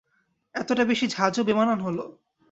–এতটা বেশি ঝাঁজও বেমানান হল।